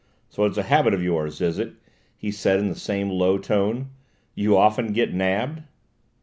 "So it's a habit of yours, is it?" he said in the same low tone; "you often get nabbed?"